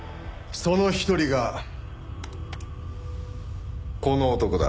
その一人がこの男だ。